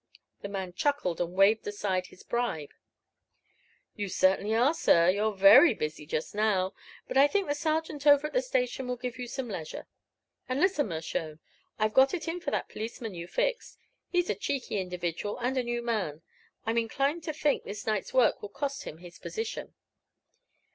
The man chuckled and waved aside the bribe. "You certainly are, sir; you're very busy, just now! But I think the sergeant over at the station will give you some leisure. And listen, Mr. Mershone: I've got it in for that policeman you fixed; he's a cheeky individual and a new man. I'm inclined to think this night's work will cost him his position.